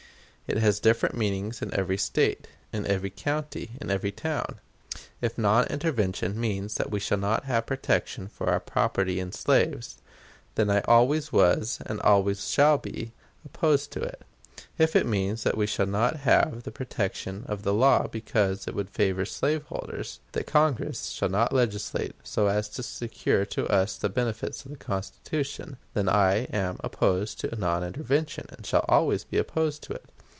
It has different meanings in every State, in every county, in every town. If non intervention means that we shall not have protection for our property in slaves, then I always was, and always shall be, opposed to it. If it means that we shall not have the protection of the law because it would favor slaveholders, that Congress shall not legislate so as to secure to us the benefits of the Constitution, then I am opposed to non intervention, and shall always be opposed to it."